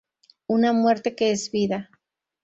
Una muerte que es vida.